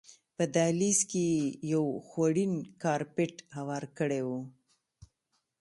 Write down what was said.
په دهلیز کې یې یو خوړین کارپېټ هوار کړی و.